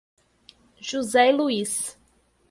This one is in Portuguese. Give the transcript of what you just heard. José e Luiz